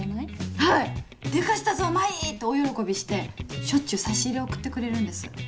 はい「でかしたぞ麻依！」って大喜びしてしょっちゅう差し入れ送ってくれるんです。